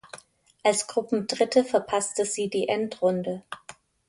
Als Gruppendritte verpassten sie die Endrunde.